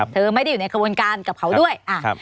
เธอไม่ได้อยู่ในกระบวนการกับเขาด้วย